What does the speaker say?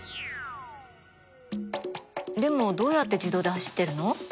でもどうやって自動で走ってるの？